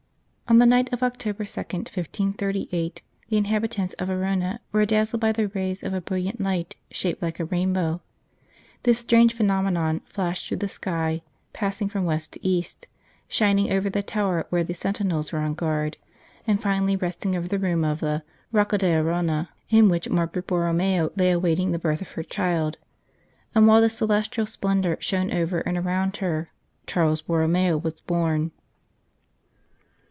ON the night of October 2, 1538, the inhabitants of Arona were dazzled by the rays of a brilliant light shaped like a rainbow. This strange phe nomenon flashed through the sky, passing from west to east, shining over the tower where the sentinels were on guard, and finally resting over the room of the " Rocca d Arona " in which Margaret Borromeo lay awaiting the birth of her child ; and while this celestial splendour shone over and around her, Charles Borromeo was born.